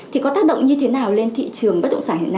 thì có tác động như thế nào lên thị trường